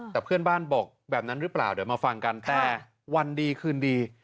แต่เพื่อนบ้านบอกแบบนั้นหรือเปล่าเดี๋ยวมาฟังกันแต่วันดีคืนดี